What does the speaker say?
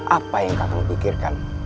apa yang kakak memikirkan